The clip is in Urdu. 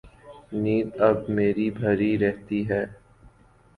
نیت اب میری بھری رہتی ہے